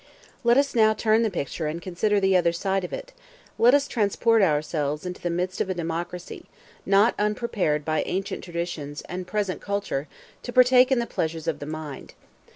] Let us now turn the picture and consider the other side of it; let us transport ourselves into the midst of a democracy, not unprepared by ancient traditions and present culture to partake in the pleasures of the mind.